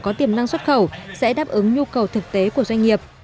có tiềm năng xuất khẩu sẽ đáp ứng nhu cầu thực tế của doanh nghiệp